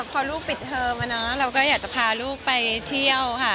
พอลูกปิดเทอมเราก็อยากจะพาลูกไปเที่ยวค่ะ